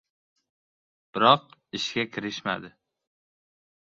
Biroq ishga kirishmadi.